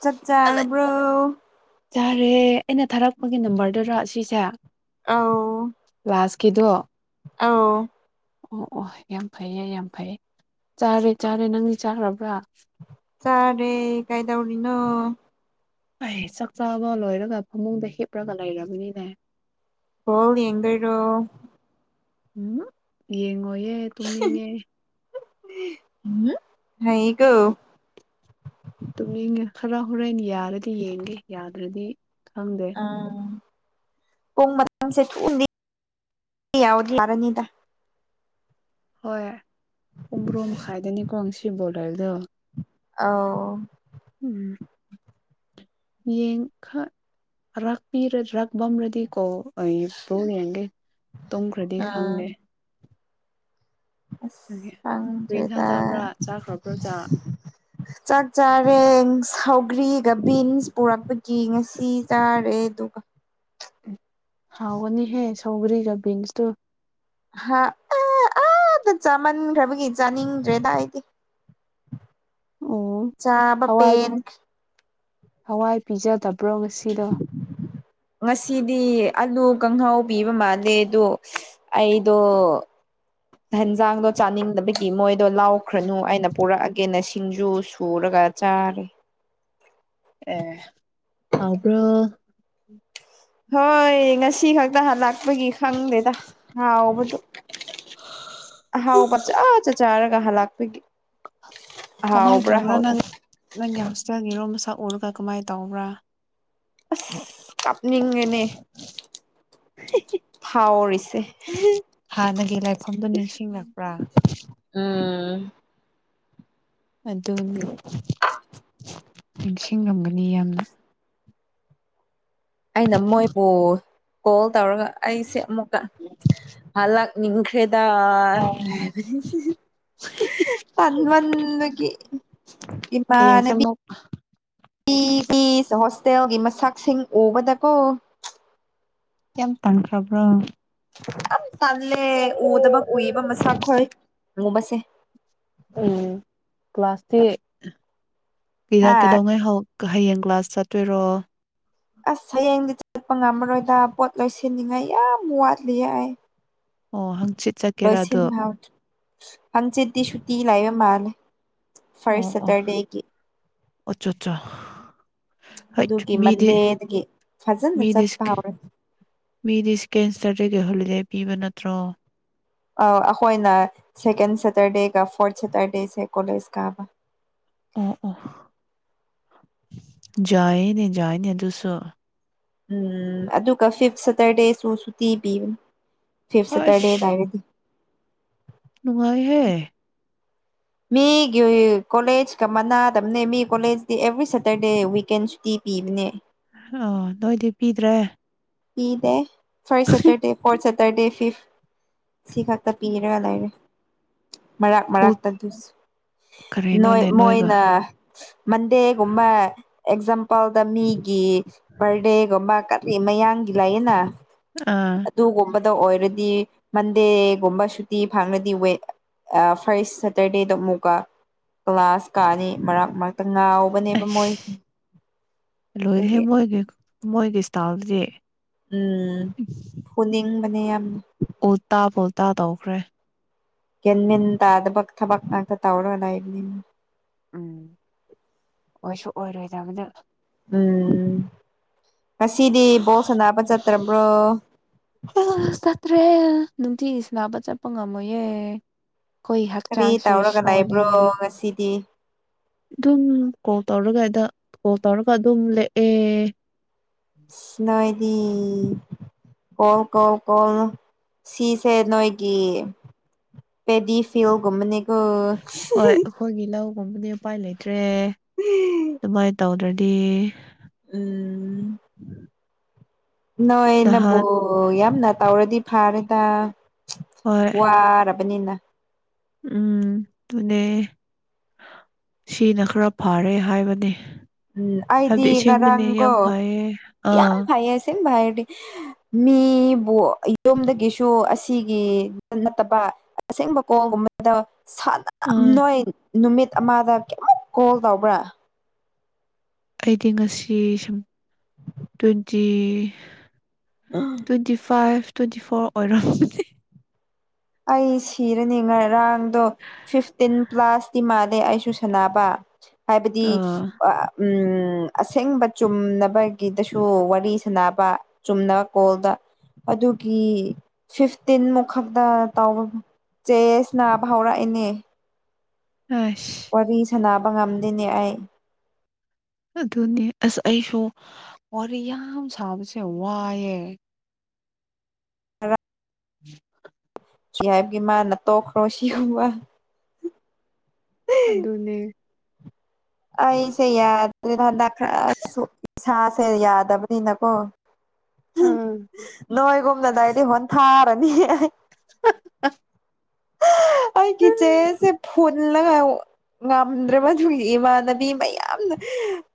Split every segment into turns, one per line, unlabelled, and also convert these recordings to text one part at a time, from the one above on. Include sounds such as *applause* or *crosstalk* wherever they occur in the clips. ꯆꯠ ꯆꯔꯕ꯭ꯔꯣ
ꯌꯥꯥꯔꯦ ꯑꯩꯅ ꯊꯥꯔꯛꯄꯒꯤ ꯅꯝꯕꯔꯗꯨꯔ ꯁꯤꯁꯦ ꯂꯥꯁ ꯀꯗꯣ
ꯑ
ꯑꯣ ꯑꯣ ꯌꯥꯝ ꯐꯩꯌꯦ ꯌꯥꯝ ꯐꯩꯌꯦꯦ ꯆꯥꯔꯦ ꯆꯥꯔꯦ ꯅꯪꯗꯤ ꯆꯥꯔꯕ꯭ꯔꯥ
ꯆꯥꯔꯦ ꯀꯥꯏꯗꯧꯔꯤꯅꯣ
ꯑꯩ ꯆꯥꯛꯆꯥꯥꯕ ꯂꯣꯏꯔꯒ ꯐꯃꯨꯡꯗ ꯍꯤꯞꯂꯒ ꯂꯩꯔꯕꯅꯤꯅꯦ
ꯍꯣꯜꯅꯤ ꯌꯦꯡ ꯏꯔꯣ
ꯎꯝ ꯌꯦꯡꯉꯣꯌꯦꯦ ꯇꯨꯝꯅꯤꯡꯉꯦ
ꯍꯒ
ꯇꯨꯝꯅꯤꯡꯉꯦ ꯈꯔ ꯍꯣꯔꯦꯟ ꯌꯥꯔꯗꯤ ꯌꯦꯡꯒꯦ ꯌꯥꯗ꯭ꯔꯗꯤ ꯈꯪꯗꯦ
ꯑꯥ ꯄꯣꯡ ꯃꯇꯝꯁꯦ ꯊꯎꯅꯤ ꯌꯥ ꯌꯥꯔꯅꯤꯗ
ꯍꯣꯏ ꯄꯨꯡ꯭ꯔꯣ ꯃꯈꯥꯏꯗꯅꯤꯀꯣ ꯁꯤ ꯕꯣꯂꯔꯗꯣ
ꯑ
ꯎꯝ ꯌꯦꯡ ꯈ ꯔꯄꯤ ꯔꯛꯝꯔꯗꯤꯀꯣ ꯑꯩ ꯄꯨ ꯌꯦꯡꯒꯦ ꯇꯨꯝꯈ꯭ꯔꯗꯤ ꯈꯪꯗꯦ ꯑꯗꯨꯒꯤ ꯀꯔꯤ ꯏꯟꯁꯥꯡ
ꯑꯪꯗꯦꯗ
ꯆꯥꯕ꯭ꯔꯥ ꯆꯥꯈ꯭ꯔꯕ꯭ꯔꯣ ꯆꯥꯛ
ꯆꯥꯛ ꯆꯥꯔꯦ ꯁꯥꯎꯒ꯭ꯔꯤꯒ ꯕꯤꯟꯁ ꯄꯨꯔꯛꯄꯒꯤ ꯉꯁꯤ ꯆꯥꯔꯦ ꯇꯒ
ꯍꯥꯎꯅꯤꯍꯦ ꯁꯧꯒ꯭ꯔꯤꯒ ꯕꯤꯟꯁ ꯇꯨ
ꯍꯥ *unintelligible* *unintelligible* ꯆꯥꯃꯟꯈ꯭ꯔꯕꯒꯤ ꯆꯥꯅꯤꯡꯗ꯭ꯔꯦ ꯗꯥꯏꯗꯤ
ꯑꯣ
ꯆꯥꯕꯥ
ꯍꯋꯥꯏ
ꯄꯦꯟ
ꯍꯋꯥꯏ ꯄꯤꯖꯗꯕ꯭ꯔꯣ ꯉꯁꯤꯗꯣ
ꯉꯁꯤꯗꯤ ꯑꯂꯨ ꯀꯥꯡꯍꯥꯎ ꯄꯤꯕ ꯃꯥꯜꯂꯦ ꯑꯗꯣ ꯑꯩꯗꯣ ꯍꯦꯟꯖꯥꯡꯗꯣ ꯆꯥꯅꯤꯡꯗꯕꯒꯤ ꯃꯣꯏ ꯑꯗꯣ ꯂꯥꯎꯈ꯭ꯔꯅꯨ ꯑꯩꯅ ꯄꯨꯔꯛꯑꯒꯦꯅ ꯁꯤꯡꯖꯨ ꯁꯨꯔꯒ ꯆꯥꯔꯦ
ꯑꯦ ꯍꯥꯎꯕ꯭ꯔꯣ
ꯍꯣꯏ ꯉꯁꯤ *unintelligible* *unintelligible* ꯈꯪꯗꯦꯗ ꯍꯥꯎꯕꯗꯨ ꯑꯍꯥꯎꯕ ꯆ ꯆꯠ ꯆꯥꯔꯒ ꯍꯥꯂꯛꯄꯒꯤ
ꯀꯃꯥꯏꯅ ꯇꯧꯕ꯭ꯔꯥ ꯅꯪ ꯅꯪꯒꯤ ꯍꯣꯁꯇꯦꯜꯒꯤꯔꯣꯝ ꯃꯁꯛ ꯎꯔꯒ ꯀꯃꯥꯏꯅ ꯇꯧꯕ꯭ꯔꯥ
ꯑꯁ ꯀꯥꯞꯅꯤꯡꯉꯅꯦ
ꯍꯥꯟꯅꯒꯤ ꯂꯥꯏꯐꯝꯗꯨ ꯅꯤꯡꯁꯤꯡꯂꯛꯄ꯭ꯔꯥ
ꯎꯝ
ꯑꯗꯨꯅꯤ
*unintelligible*
ꯅꯤꯡꯁꯤꯡꯉꯝꯒꯅꯤ ꯌꯥꯝꯅ
ꯑꯩꯅ ꯃꯣꯏꯕꯨ ꯀꯣꯜ ꯇꯧꯔꯒ ꯑꯩꯁꯦ ꯑꯃꯨꯛꯀꯥ ꯅꯤꯡꯈ꯭ꯔꯦꯗ ꯇꯥꯟꯃꯥꯟꯅꯕꯒꯤ ꯏꯃꯥꯟ
ꯍꯌꯦꯡꯁꯦ
ꯅꯥꯕꯤ
ꯑꯃꯨꯛ
*unintelligible* ꯄꯤꯁ ꯍꯣꯁꯇꯦꯜꯒꯤ ꯃꯁꯛꯁꯤꯡ ꯎꯕꯗꯀꯣ
ꯀꯤꯌꯥꯝ ꯇꯥꯟꯈ꯭ꯔꯕ꯭ꯔꯣ
ꯌꯥꯝ ꯇꯜꯂꯦ ꯎꯗꯕ ꯀꯨꯏꯕ ꯃꯁꯥꯛ ꯈꯣꯏ ꯎꯉꯕꯁꯦ
ꯎꯝ ꯀ꯭ꯂꯥꯁꯇꯤ
ꯍꯥ
ꯄꯤꯔꯛꯀꯩꯗꯧꯉꯩ ꯍꯧ ꯍꯌꯦꯡ ꯀ꯭ꯂꯥꯁ ꯆꯠꯇꯣꯏꯔꯣ
ꯑꯁ ꯍꯌꯦꯡꯗꯤ ꯆꯠꯄ ꯉꯝꯃꯔꯣꯏꯗ ꯄꯣꯠ ꯂꯣꯏꯁꯤꯟꯅꯤꯉꯥꯏ ꯌꯥꯝ ꯋꯥꯠꯂꯤ ꯑꯩ
ꯑꯣ ꯍꯪꯆꯤꯠ ꯆꯠꯀꯦꯔꯥ ꯑꯗꯣ
ꯂꯣꯏꯁꯤꯟꯍꯣ ꯍꯪꯆꯤꯠꯗꯤ ꯁꯨꯇꯤ ꯂꯥꯏꯕ ꯃꯥꯜ ꯐꯔꯁ ꯁꯇꯔꯗꯦꯒꯤ
ꯑꯆꯥ ꯑꯆꯥ
ꯑꯗꯨꯒꯤ ꯃꯟꯗꯦꯗꯒꯤ ꯐꯖꯅ ꯆꯠꯄ ꯍꯧꯔꯥꯅꯤ
ꯃꯤ ꯗꯤꯁ ꯀꯦꯟꯁꯔꯗ ꯍꯣꯜꯂꯤꯗꯦ ꯄꯤꯕ ꯅꯠꯇ꯭ꯔꯣ
ꯑ ꯑꯩꯈꯣꯏꯅ ꯁꯦꯀꯦꯟ ꯁꯦꯇꯔꯗꯦꯒ ꯐꯣꯔꯠ ꯁꯦꯇꯔꯗꯦꯁꯦ ꯀꯣꯂꯦꯖ ꯀꯥꯕ
ꯑꯣ ꯑꯣ ꯌꯥꯏꯅꯦ ꯌꯥꯏꯅꯦ ꯑꯗꯨꯁꯨ
ꯎꯝ ꯑꯗꯨꯒ ꯐꯤꯞ ꯁꯇꯔꯗꯦꯁꯨ ꯁꯨꯇꯤ ꯄꯤꯕꯅꯤ ꯐꯤꯐ ꯁꯇꯔꯗꯦ
ꯑꯁ
ꯂꯔꯗꯤ
ꯅꯨꯡꯉꯥꯏꯍꯦ
ꯃꯤꯒꯤ ꯀꯣꯂꯦꯖꯀ ꯃꯅꯥꯗꯕꯅꯦ ꯃꯤ ꯀꯣꯂꯦꯖꯗꯤ ꯑꯦꯚ꯭ꯔꯤ ꯁꯦꯇꯔꯗꯦ ꯋꯤꯛꯀꯦꯟ ꯁꯨꯇꯤ ꯄꯤꯕꯥꯅꯦ
ꯑꯣ ꯅꯣꯏꯗꯤ ꯄꯤꯗ꯭ꯔꯦ
ꯄꯤꯗꯦ ꯐꯥꯔꯁ ꯁꯇꯔꯗꯦ ꯐꯣꯔꯠ ꯁꯦꯇꯔꯗꯦ ꯐꯤꯐ ꯁꯤ ꯈꯥꯛꯇ ꯄꯤꯔꯦꯕ ꯂꯣꯏꯔꯦ ꯃꯔꯛ ꯃꯔꯥꯛꯛꯇ ꯑꯗꯨꯁ ꯅꯣꯏꯣꯏ
ꯀꯔꯤꯅꯣꯅꯦ ꯅꯣꯏꯒ
ꯃꯣꯏꯣꯏꯅ ꯃꯟꯗꯦꯒꯨꯝꯕ ꯑꯦꯛꯖꯥꯝꯄꯜꯗ ꯃꯤꯒꯤ ꯕꯔꯗꯦꯒꯨꯝꯕ ꯀꯔꯤ ꯃꯌꯥꯡꯒꯤ ꯂꯩꯌꯦꯅ
ꯑꯥ
ꯑꯗꯣ ꯑꯣꯏꯔꯗꯤ ꯃꯟꯗꯦꯒꯨꯝꯕ ꯁꯨꯇꯤ ꯐꯪꯂꯗꯤ ꯐꯥꯔꯁ ꯁꯦꯇꯔꯗꯦꯗ ꯑꯃꯨꯛꯀ ꯀ꯭ꯂꯥꯁ ꯀꯥꯑꯅꯤ ꯃꯔꯛ ꯃꯔꯛꯇ ꯉꯥꯎꯕꯅꯦꯕ ꯃꯣꯏ
ꯑꯩꯁ ꯂꯣꯏꯔꯦꯍꯦ
ꯑꯗꯨꯒꯤ
ꯃꯣꯏꯒꯤ ꯃꯣꯏꯒꯤ ꯁꯇꯥꯥꯜꯗꯨꯗꯤ
ꯎꯝ ꯐꯨꯅꯤꯡ ꯃꯅꯤ ꯌꯥꯝ
ꯎꯜꯇꯥ ꯄꯣꯜꯇꯥ ꯇꯧꯈ꯭ꯔꯦ
ꯀꯃꯤ ꯇ ꯑꯗꯨꯕꯛ ꯊꯕꯛꯅꯇ ꯇꯧꯣꯂ ꯏꯅꯤ
ꯎꯝ ꯑꯣꯏꯁꯨ ꯑꯣꯏꯔꯣꯏꯗꯕꯗ
ꯎꯝ ꯉꯁꯤꯗꯤ ꯕꯣꯜ ꯁꯅꯥꯕ ꯆꯠꯇ꯭ꯔꯕ꯭ꯔꯣ
ꯇ꯭ꯔꯦꯜ ꯅꯨꯡꯇꯤꯒꯤꯁꯤ ꯅꯥꯕ ꯆꯠꯄ ꯉꯝꯃꯣꯏꯌꯦꯦ ꯀꯣꯏ
ꯀꯔꯤ
ꯍꯛꯆꯥꯡꯁꯦ
ꯇꯧꯔꯒ ꯂꯩꯕ꯭ꯔꯣ
ꯁꯣꯗꯦꯅꯤ
ꯉꯁꯤꯗꯤ
ꯑꯗꯨꯝ ꯀꯣꯜ ꯇꯧꯔꯒꯗ ꯀꯣꯜ ꯇꯧꯔꯒ ꯑꯗꯨꯝ ꯂꯦꯛꯑꯦ
ꯁꯤꯅꯣꯏꯔꯤ ꯀꯣꯜ ꯀꯣꯜ ꯀꯣꯜ ꯁꯤꯁꯦ ꯅꯣꯏꯒꯤ ꯄꯦꯗꯤ ꯐꯣꯒꯨꯝꯅꯦ
ꯍꯣꯏ ꯑꯩꯈꯣꯏꯒꯤ ꯂꯧꯒꯨꯝꯕꯗꯤ ꯎꯄꯥꯏ ꯂꯩꯇ꯭ꯔꯦ ꯑꯗꯨꯃꯥꯏꯅ ꯇꯧꯗ꯭ꯔꯅꯤ ꯇ
ꯎ ꯅꯣꯏ
ꯅꯍꯥꯟ
ꯅꯕꯨꯣ ꯌꯥꯝꯅ ꯇꯧꯔꯗꯤ ꯐꯥꯔꯦꯗ
ꯍꯣꯏ
ꯋꯥꯔꯕꯅꯤꯅ
ꯎꯝ ꯇꯅꯦ ꯁꯤꯅ ꯈꯔ ꯐꯔꯦ ꯍꯥꯏꯕꯅꯤ
ꯎꯝ ꯑꯩꯗꯤ ꯉꯔꯥꯡꯒꯣ
ꯐꯩꯌꯦ
ꯌꯥꯝ
ꯑꯥ
ꯐꯩꯌꯦ ꯁꯤ ꯚꯥꯏꯔ ꯍꯥꯏꯗꯤ ꯃꯤꯕꯨ ꯌꯨꯝꯗꯒꯤꯁꯨ ꯑꯁꯤꯒꯤ ꯅꯠꯇꯕ ꯑꯁꯦꯡꯕꯀꯣꯒꯨꯝꯕꯗ ꯁꯥꯟꯅꯝ
ꯑꯥ
ꯅꯣꯏ ꯅꯨꯃꯤꯠ ꯑꯃꯗ ꯀ ꯀꯣꯜ ꯇꯧꯕ꯭ꯔꯥ
ꯑꯩꯗꯤ ꯉꯁꯤ ꯁ twenty twenty five twenty four ꯑꯣꯏꯔꯝ
ꯑꯩ ꯁꯤꯔꯅꯤ ꯉꯔꯥꯡꯗꯣ ꯐꯤꯐꯇꯤꯟ ꯀ꯭ꯂ꯭ꯂꯥꯁꯇꯤ ꯃꯥꯜꯂꯦ ꯁꯨꯁꯅꯕ ꯍꯥꯏꯕꯗꯤ
ꯑꯥ
ꯎꯝ ꯎ ꯑꯁꯦꯡꯕ ꯆꯨꯝꯅꯕꯒꯤꯗꯁꯨ ꯋꯥꯔꯤ ꯁꯥꯟꯅꯕ ꯆꯨꯝꯅꯕ ꯀꯣꯜꯗ ꯑꯗꯨꯒꯤ ꯐꯤꯐꯇꯤꯟ ꯃꯨꯈꯛꯇ ꯆꯦꯁ ꯅꯥꯕ ꯍꯧꯔꯛꯏꯅꯦ
ꯑꯁ
ꯋꯥꯔꯤ ꯁꯥꯟꯅꯕ ꯉꯝꯗꯦꯅꯦ ꯑꯩ
ꯑꯗꯨꯅꯤ ꯑꯁ ꯑꯩꯁꯨ ꯋꯥꯔꯤ ꯌꯥꯝ ꯁꯥꯕꯁꯦ ꯋꯥꯏꯑꯦ
ꯑ
ꯎꯝ
ꯌꯥꯕꯒꯤ ꯃꯥ ꯅꯠꯇꯣꯈ꯭ꯔꯣꯁꯤ ꯍ
ꯑꯗꯨꯅꯦ
ꯑꯩꯁꯦ ꯌꯥꯗ꯭ꯔꯦꯗ ꯍꯟꯗꯛ ꯈꯔ ꯁꯥꯥꯁꯦ ꯌꯥꯗꯕꯅꯤꯅꯀꯣ
ꯑꯥ
ꯅꯥꯏꯒꯨꯝꯅꯗꯥꯏꯗꯤ ꯍꯣꯟꯅ ꯊꯥꯔꯅꯤ ꯑꯩꯆꯦ ꯁꯤ ꯍꯨꯜꯂꯒꯥꯏ ꯉꯝꯗ꯭ꯔꯦꯕꯗꯨꯗꯤ ꯏꯃꯥꯟ ꯕꯤ ꯃꯌꯥꯝꯅ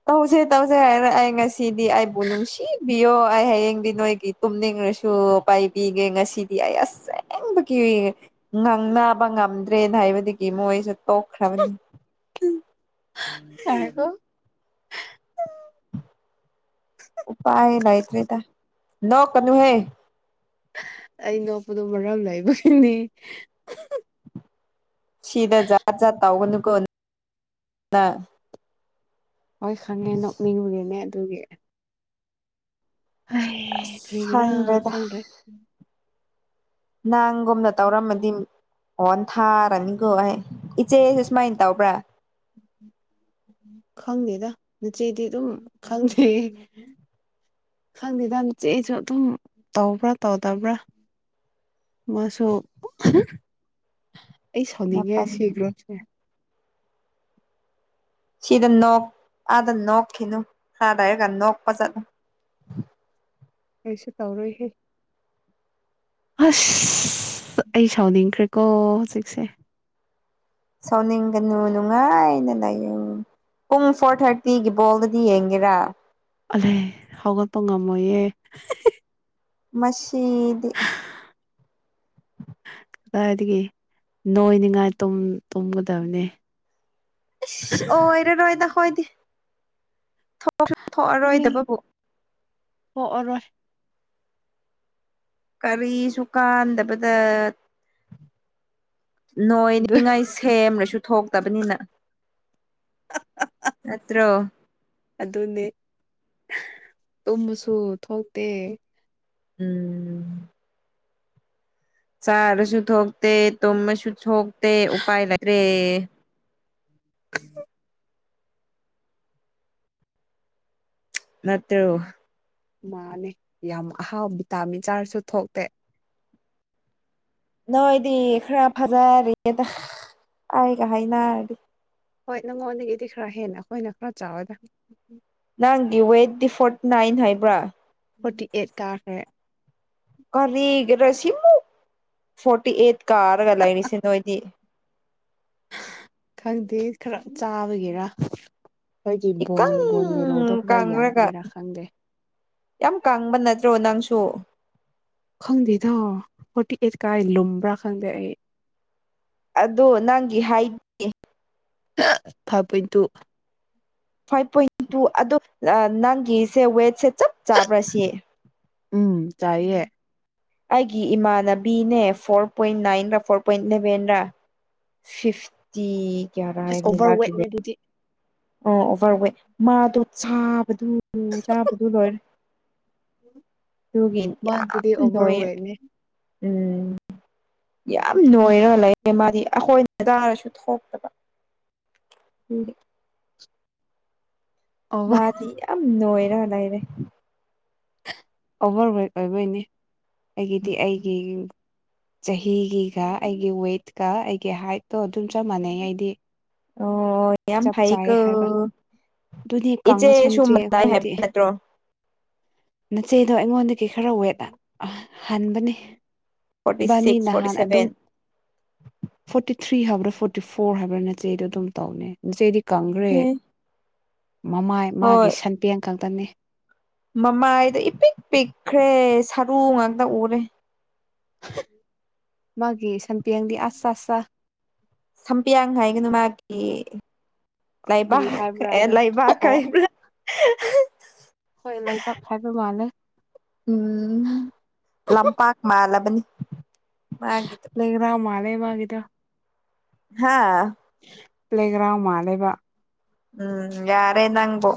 ꯇꯧꯖꯩ ꯇꯧꯁꯦ ꯍꯥꯏꯅ ꯑꯩ ꯉꯁꯤꯗꯤ ꯑꯩꯕꯨ ꯅꯨꯡꯁꯤꯕꯤ ꯑꯩ ꯍꯌꯦꯡꯗꯤ ꯅꯣꯏꯒꯤ ꯇꯨꯝꯅꯤꯡꯔꯁꯨ ꯄꯥꯏꯕꯤꯒꯦ ꯉꯁꯤꯗꯤ ꯑꯩ ꯑꯁꯦꯡꯕ ꯀꯤꯏ ꯉꯥꯡꯅꯕ ꯉꯝꯗ꯭ꯔꯦꯅ ꯍꯥꯏꯕꯗꯒꯤ ꯃꯣꯏꯁꯦ ꯇꯣꯛꯈ꯭ꯔꯕꯅꯤ
ꯍꯀꯣ
ꯎꯄꯥꯥꯏ ꯂꯩ ꯏꯇ꯭ꯔꯦꯗ ꯅ ꯀꯅꯨꯍꯦ
ꯑꯩ ꯅꯣꯛꯄꯗꯣ ꯃꯔꯝ ꯂꯩꯕꯒꯤꯅꯤ
ꯁꯤꯗ ꯖꯥꯠ ꯖꯥꯠ ꯇꯥꯎꯒꯅꯨ ꯀ
ꯍꯣꯏ ꯈꯪꯉꯦ ꯅꯣꯛꯅꯤꯡꯉꯨꯦꯅꯦ ꯑꯗꯨꯒꯤ ꯍ
ꯑꯁ
ꯀꯒꯔꯥ
ꯈꯪꯗ꯭ꯔꯦꯗ
ꯆꯜ꯭ꯔꯦ
ꯅꯪꯒꯨꯝꯝꯗ ꯇꯧꯔꯝꯃꯗꯤ ꯑꯣꯟ ꯊꯥꯔꯅꯤꯀꯣ ꯑꯩ ꯏꯆꯦ ꯁꯦ ꯁꯨꯃꯥꯏꯅ ꯇꯥꯎꯕ꯭ꯔꯥ
ꯈꯪꯗꯦꯗ ꯃꯆꯦꯗꯤ ꯑꯗꯨꯝ ꯈꯪꯗꯦ ꯍꯪꯗꯗ ꯆꯦ ꯑꯩꯁꯨ ꯑꯗꯨꯝ ꯇꯧꯕ꯭ꯔꯥ ꯇꯧꯗꯕ꯭ꯔꯥ ꯃꯥꯁꯨ ꯑꯩ ꯁꯥꯎꯅꯤꯡꯉꯦ
ꯃꯥꯄꯜ
ꯁꯤꯈ꯭ꯔꯣꯁꯦ
ꯁꯤꯗ ꯅꯣꯛ ꯑꯥꯗ ꯅꯣꯛꯈꯤꯅꯨ ꯈꯔꯗ ꯍꯥꯏꯔꯒ ꯅꯣꯛꯄ ꯆꯠꯂꯨ ꯎꯝ
ꯑꯩꯁꯨ ꯇꯧꯔꯣꯏꯍꯦ ꯑꯁ ꯑꯩ ꯁꯥꯎꯅꯤꯡꯈ꯭ꯔꯦꯀꯣ ꯍꯧꯖꯤꯛꯁꯦ
ꯁꯥꯎꯅꯤꯡꯒꯅꯨ ꯅꯨꯡꯉꯥꯏꯅ ꯂꯥꯏꯌꯡ ꯄꯨꯡ ꯐꯣꯔ ꯊꯥꯔꯇꯤꯒꯤ ꯕꯣꯜꯗꯗꯤ ꯌꯦꯡꯒꯦꯔꯥ
ꯑꯂꯦ ꯍꯧꯒꯠꯄ ꯉꯝꯃꯣꯌꯦꯦ
ꯃꯁꯤꯗꯤ
ꯀꯗꯥꯏꯗꯒꯤ ꯅꯣꯏꯅꯤꯡꯉꯥꯏ ꯇꯨꯝꯒꯗꯕꯅꯤ
ꯑꯣꯏ ꯑꯣꯏꯔ ꯔꯣꯏꯗ ꯍꯣꯏꯗꯤ ꯊꯣꯛꯑꯔꯣꯏꯗꯕꯕꯨ
ꯀꯣꯛꯑꯔꯣꯏ
ꯀꯔꯤꯁꯨ ꯀꯥꯟꯗꯕꯗ
ꯑꯗꯨ
ꯅꯣꯏꯅꯤꯡꯉꯥꯏ ꯁꯦꯝꯂꯁꯨ ꯊꯣꯛ ꯇꯕꯅꯤꯅ ꯑꯠꯇꯣ
ꯑꯗꯨꯅꯦ ꯇꯨꯝꯃꯁꯨ ꯊꯣꯛꯇꯦ
ꯎꯝ ꯆꯔꯁꯨ ꯊꯣꯛꯣꯛꯇꯦ ꯇꯃꯁꯨ ꯊꯣꯛꯣꯛꯇꯦ ꯎꯄꯥꯏ ꯂꯩꯦ ꯅꯠꯇꯣ
ꯃꯥꯅꯦ ꯌꯥꯝ ꯑꯍꯥꯎ ꯚꯤꯇꯥꯃꯤꯟ ꯆꯥꯔꯁꯨ ꯊꯣꯛꯇꯦ
ꯅꯣꯏꯗꯤ ꯈꯔ ꯐꯖꯔꯦꯗ ꯑꯩꯒ ꯍꯥꯏꯅꯔꯗꯤ
ꯍꯣꯏ ꯅꯪꯉꯣꯟꯗꯒꯤꯗꯤ ꯈꯔ ꯍꯦꯟꯅ ꯑꯩꯈꯣꯏꯅ ꯈꯔ ꯆꯥꯎꯔꯦꯗ
ꯅꯪꯒꯤ ꯋꯦꯠ ꯗꯤꯐꯣꯔꯠ ꯅꯥꯏꯟ ꯍꯥꯏꯕ꯭ꯔꯥ
ꯐꯣꯔꯇꯤ ꯑꯩꯠ ꯀꯥꯔꯈ꯭ꯔꯦ
ꯀꯔꯤꯒꯔꯥ ꯁꯤꯃꯨꯛ ꯐꯣꯔꯇꯤ ꯑꯩꯠ ꯀꯥꯔꯒ ꯂꯩꯔꯤꯁꯦ ꯅꯣꯏꯗꯤ
ꯈꯪꯗꯦ ꯈꯔ ꯆꯥꯕꯒꯤꯦꯔ ꯑꯩꯈꯣꯏꯒꯤ ꯕꯣꯟ
ꯏꯀꯪ
ꯕꯣꯟ ꯃꯦꯔꯣꯗꯣ ꯈꯔ
ꯀꯪꯔꯒ
ꯌꯥꯝꯒꯦꯔꯥ ꯈꯪꯗꯦ
ꯌꯥꯝ ꯀꯪꯕ ꯅꯠꯇ꯭ꯔꯣ ꯅꯪꯁꯨ
ꯈꯪꯗꯦꯗ ꯐꯣꯔꯇꯤ ꯑꯩꯠ ꯀꯥꯏ ꯂꯨꯝꯕ꯭ꯔꯥ ꯈꯪꯗꯦ ꯑꯩ
ꯑꯗꯣ ꯅꯪꯒꯤ ꯍꯥꯏꯗꯦ
ꯐꯕꯣꯏ ꯇꯨ
ꯐꯥꯏꯚ ꯄꯣꯏꯟ ꯇꯨ ꯑꯗ ꯅꯪꯒꯤꯁꯦ ꯋꯦꯠꯁꯦ ꯆꯞ ꯆꯥꯕ꯭ꯔꯥ ꯁꯤ
ꯎꯝ ꯇꯥꯏꯌꯦꯑꯌꯦ
ꯑꯩꯒꯤ ꯏꯃꯥꯟꯅꯕꯤꯅꯦ ꯐꯣꯔ ꯄꯣꯏꯟ ꯅꯥꯏꯟꯒ ꯐꯣꯔ ꯄꯣꯏꯟ ꯏꯂꯕꯦꯟꯔ ꯐꯤꯐꯇꯤ
ꯑꯁ
ꯀꯌꯥꯔꯥꯦꯅꯤ
ꯑꯣꯚꯔ ꯋꯦꯠꯅꯦ ꯑꯗꯨꯗꯤ
ꯑꯣ ꯑꯣꯚꯔ ꯋꯦꯠ ꯃꯥꯗꯣ ꯆꯥꯕꯗꯨ ꯆꯥꯕꯗꯨ ꯂꯣꯏꯔꯦ ꯑꯗꯨꯒꯤ ꯌꯥꯝ
ꯃꯥꯒꯤꯗꯤ ꯑꯣꯚꯔ
ꯂꯣꯏꯌꯦ
ꯋꯦꯠꯅꯦ
ꯎꯝ ꯌꯥꯝ ꯅꯣꯏꯔꯒ ꯂꯩ ꯃꯥꯗꯤ ꯑꯩꯈꯣꯏ ꯍꯗꯥꯔꯁꯨ ꯊꯣꯛꯇꯕ
ꯑꯣꯚꯔ
ꯃꯥꯗꯤ ꯌꯥꯝ ꯅꯣꯏꯔ ꯂꯩꯥꯏꯔꯦ
ꯑꯣꯚꯔ ꯋꯦꯠ ꯑꯣꯏꯕꯣꯏꯅꯦ ꯑꯩꯒꯤꯗꯤ ꯑꯩꯒꯤ ꯆꯍꯤꯒꯤꯒ ꯑꯩꯒꯤ ꯋꯦꯠꯀ ꯑꯩꯒꯤ ꯍꯥꯏꯠꯇꯣ ꯑꯗꯨꯝ ꯆꯞ ꯃꯥꯟꯅꯩ ꯑꯩꯗꯤ
ꯑꯣ ꯌꯥꯝ
ꯆꯞ
ꯐꯩ
ꯆꯥꯏ
ꯀ
ꯍꯥꯏꯕ ꯑꯗꯨꯅꯤ
ꯏꯆꯦ
ꯀꯪꯉꯁꯨ ꯅꯆꯦ
ꯁꯨꯝꯕꯅꯥꯏ ꯍꯥꯏꯕ
ꯑꯩꯈꯣꯏꯗꯤ
ꯅꯠꯇ꯭ꯔꯣ
ꯅꯆꯦꯗꯣ ꯑꯩꯉꯣꯟꯗꯒꯤ ꯈꯔ ꯋꯦꯠ ꯍꯟꯕꯅꯤ
ꯐꯣꯔꯇꯤ
ꯏꯕꯥꯅꯤ
ꯁꯤꯛꯁ ꯐꯣꯔꯇꯤ
ꯅꯍꯥꯟ ꯑꯗꯨꯝ
ꯁꯚꯦꯟ
ꯐꯣꯔꯇꯤ ꯊ꯭ꯔꯤ ꯍꯕ꯭ꯔꯥ ꯐꯣꯔꯇꯤ ꯐꯣꯔ ꯍꯥꯏꯕ꯭ꯔꯥ ꯅꯆꯦꯗꯣ ꯑꯗꯨꯝ ꯇꯧꯅꯦꯆꯦꯗꯤ ꯀꯪꯈ꯭ꯔꯦ
ꯑꯦ
ꯃꯃꯥꯏ ꯃꯥꯒꯤ
ꯍꯣꯏ
ꯁꯟꯄꯦꯡ ꯈꯛꯇꯅꯤ
ꯃꯃꯥꯏꯗꯣ ꯏ ꯄꯤꯛ ꯄꯤꯛꯈ꯭ꯔꯦ ꯁꯔꯨ ꯉꯥꯛꯇ ꯎꯔꯦ
ꯃꯥꯒꯤ ꯁꯥꯟꯄꯤ ꯑꯡꯗꯤ ꯑꯁ ꯆ ꯑꯁ
ꯁꯝꯄꯤꯌꯥꯡ ꯍꯥꯏꯒꯅꯨ ꯃꯥꯒꯤ ꯂꯥꯏꯕ
ꯀꯔꯤ ꯍꯥꯏꯕ꯭ꯔꯥ
ꯑꯦ
ꯑꯗꯣ
ꯂꯩꯥꯏꯕ ꯀ
ꯑꯣ ꯍꯣꯏ ꯂꯩꯕꯥꯛ ꯍꯥꯏꯕ ꯃꯥꯜꯂꯦ
ꯎꯝ ꯂꯝꯄꯥꯛ ꯃꯥꯜꯂꯕꯅꯤ ꯃꯥꯒꯤꯗꯣ
ꯂꯩꯒ꯭ꯔ ꯃꯥꯂꯦꯕꯗ
ꯍꯥꯥ
ꯄ꯭ꯂꯦꯒ꯭ꯔꯥꯎꯟ ꯃꯥ ꯂꯩꯕ
ꯎꯝ ꯌꯥꯔꯅꯉꯕꯣ